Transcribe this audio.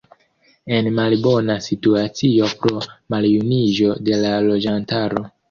En malbona situacio pro maljuniĝo de la loĝantaro.